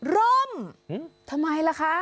ร่มทำไมล่ะคะ